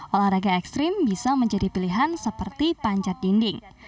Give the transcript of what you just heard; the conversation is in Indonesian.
olahraga ekstrim bisa menjadi pilihan seperti panjat dinding